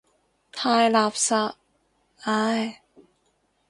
太垃圾，唉。